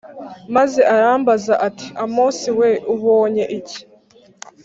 maze arambaza ati “Amosi we, ubonye iki?